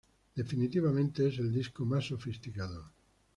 Definitivamente, es el disco más sofisticado.